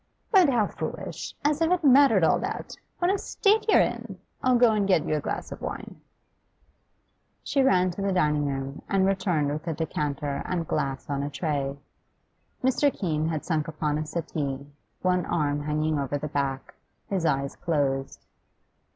'But how foolish! As if it mattered all that. What a state you're in! I'll go and get you a glass of wine.' She ran to the dining room, and returned with a decanter and glass on a tray. Mr. Keene had sunk upon a settee, one arm hanging over the back, his eyes closed.